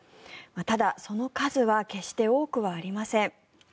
ただ、その数は決して多くはありません。